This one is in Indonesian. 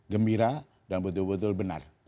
gembira dan betul betul benar